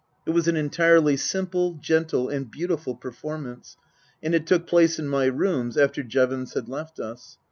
It was an entirely simple, gentle and beautiful performance, and it took place in my rooms after Jevons had left us.